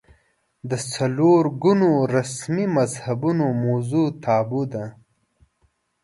د څلور ګونو رسمي مذهبونو موضوع تابو ده